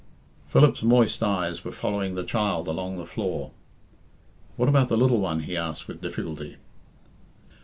Philip's moist eyes were following the child along the floor. "What about the little one?" he asked with difficulty.